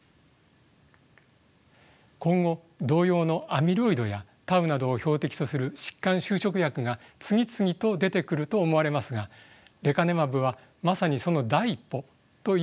今後同様のアミロイドやタウなどを標的とする疾患修飾薬が次々と出てくると思われますがレカネマブはまさにその第一歩と言うことができます。